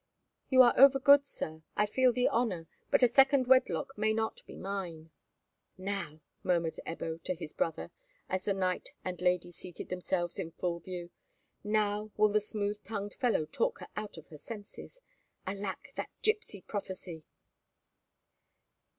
"You are over good, sir. I feel the honour, but a second wedlock may not be mine." "Now," murmured Ebbo to his brother, as the knight and lady seated themselves in full view, "now will the smooth tongued fellow talk her out of her senses. Alack! that gipsy prophecy!"